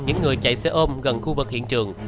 những người chạy xe ôm gần khu vực hiện trường